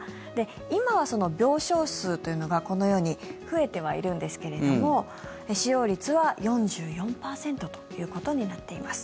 今はその病床数というのがこのように増えてはいるんですけれども使用率は４４％ということになっています。